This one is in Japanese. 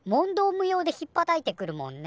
無用でひっぱたいてくるもんね。